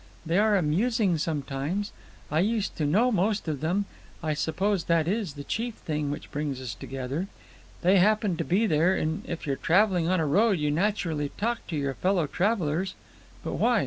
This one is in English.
They are amusing sometimes. I used to know most of them. I suppose that is the chief thing which brings us together. They happen to be there, and if you're travelling on a road you naturally talk to your fellow travellers. But why?